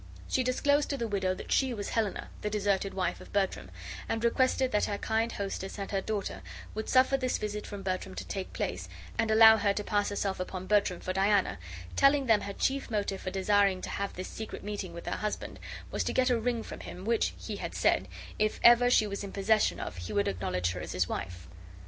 She disclosed to the widow that she was Helena, the deserted wife of Bertram, and requested that her kind hostess and her daughter would suffer this visit from Bertram to take place, and allow her to pass herself upon Bertram for Diana, telling them her chief motive for desiring to have this secret meeting with her husband was to get a ring from him, which, he had said, if ever she was in possession of he would acknowledge her as his wife.